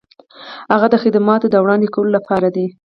هغه د خدماتو د وړاندې کولو لپاره دی.